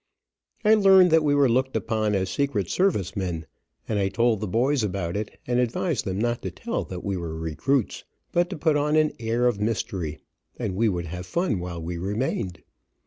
I learned that we were looked upon as secret service men, and I told the boys about it, and advised them not to tell that we were recruits, but to put on an air of mystery, and we would have fun while we remained.